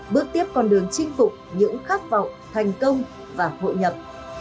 bước tiếp con đường chinh phục những khát vọng thành công và hội nhập